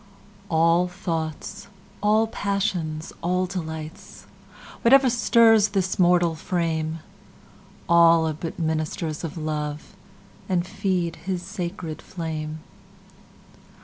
Love ALL thoughts, all passions, all delights, Whatever stirs this mortal frame, All are but ministers of Love, And feed his sacred flame.